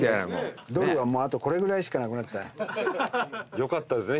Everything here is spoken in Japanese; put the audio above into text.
よかったですね。